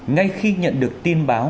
ngay khi nhận được tin báo